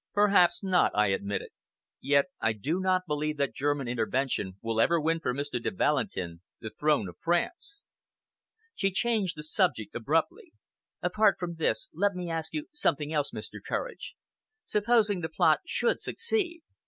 "Perhaps not," I admitted; "yet I do not believe that German intervention will ever win for Mr. de Valentin the throne of France." She changed the subject abruptly. "Apart from this, let me ask you something else, Mr. Courage. Supposing the plot should succeed.